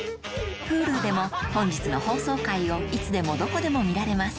Ｈｕｌｕでも本日の放送回をいつでもどこでも見られます